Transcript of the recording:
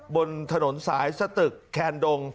บนถนนสายสตึกแคนดง